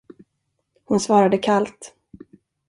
Hon svarade kallt.